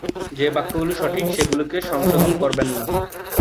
যে বাক্যগুলি সঠিক সেগুলিকে সংশোধন করবে না।